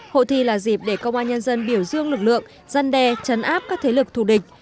hội thi là dịp để công an nhân dân biểu dương lực lượng dân đe chấn áp các thế lực thù địch